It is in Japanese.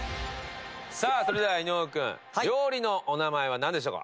さあそれでは井上君料理のお名前はなんでしょうか？